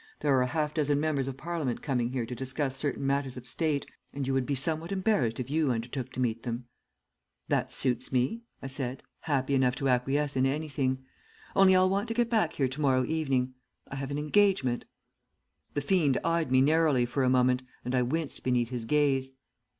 There are a half dozen members of Parliament coming here to discuss certain matters of state, and you would be somewhat embarrassed if you undertook to meet them.' "'That suits me,' I said, happy enough to acquiesce in anything. 'Only I'll want to get back here to morrow evening. I have an engagement.' "The fiend eyed me narrowly for a moment, and I winced beneath his gaze.